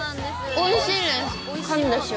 おいしいです。